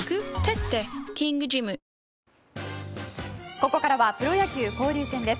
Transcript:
ここからはプロ野球交流戦です。